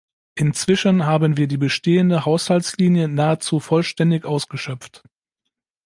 Inzwischen haben wir die bestehende Haushaltslinie nahezu vollständig ausgeschöpft.